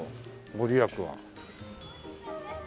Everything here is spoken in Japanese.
御利益は。